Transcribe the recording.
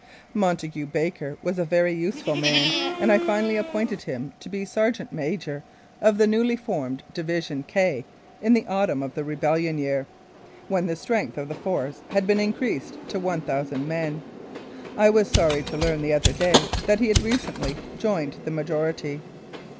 Montague Baker was a very useful man, and I finally appointed him to be sergeant major of the newly formed division "K," in the autumn of the rebellion year, when the strength of the Force had been increased to 1,000 men. I was sorry to learn the other day that he had recently "joined the majority."